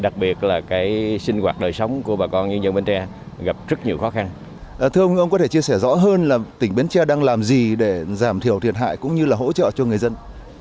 thưa ông ông có thể chia sẻ rõ hơn là tỉnh bến tre đang làm gì để giảm thiểu thiệt hại cũng như là hỗ trợ cho người dân